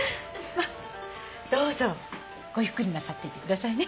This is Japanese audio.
どうぞごゆっくりなさっていってくださいね。